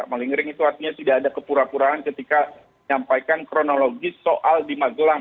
paling ngering itu artinya tidak ada kepura puraan ketika nyampaikan kronologis soal di magelang